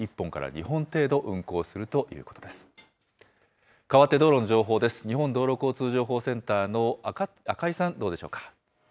日本道路交通情報センターの赤井さん、どうでしょうか。